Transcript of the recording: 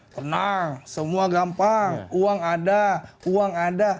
tenang semua gampang uang ada uang ada